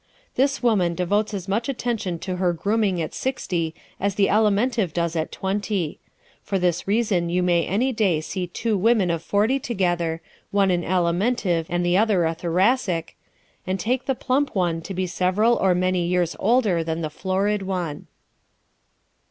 This woman devotes as much attention to her grooming at sixty as the Alimentive does at twenty. For this reason you may any day see two women of forty together, one an Alimentive and the other a Thoracic and take the plump one to be several or many years older than the florid one.